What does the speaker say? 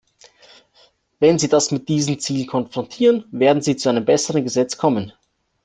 Wenn Sie das mit diesen Zielen konfrontieren, werden Sie zu einem besseren Gesetz kommen.